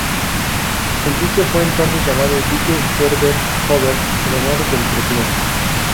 El dique fue entonces llamado "Dique Herbert Hoover", en honor del presidente.